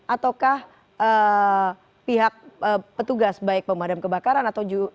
ataukah pihak petugas baik pemadam kebakaran atau juga